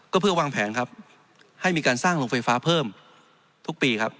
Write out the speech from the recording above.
ก็เพื่อวางแผนให้มีการสร้างลงไฟฟ้าเพิ่มทุกปี